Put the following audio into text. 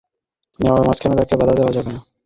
না, তার এন্ট্রি নেওয়ার মাঝখানে তাকে বাধা দেয়া যাবে না।